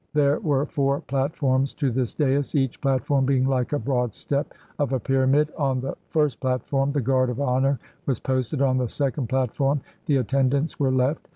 There were four platforms to this dais, each platform being like a broad step of a pyramid. On the first platform the guard of honor was posted. On the second platform the attendants were left.